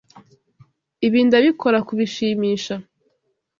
Ibi ndabikora kubishimisha.